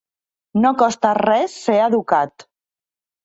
No costa res ser educat.